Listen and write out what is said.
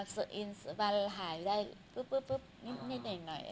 มาสุอินสุบันหายได้ปุ๊บปุ๊บนิดหน่อยหน่อย